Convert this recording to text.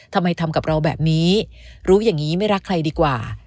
ทำไมทำกับเราแบบนี้รู้อย่างนี้ไม่รักใครดีกว่า